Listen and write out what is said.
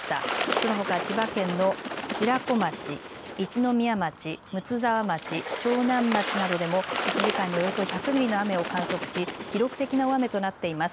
そのほか千葉県の白子町、一宮町、睦沢町、長南町などでも１時間におよそ１００ミリの雨を観測し記録的な大雨となっています。